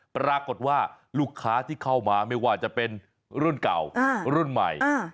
ปรากฏว่าลูกค้าที่เข้ามาไม่ว่าจะเป็นรุ่นเก่ารุ่นใหม่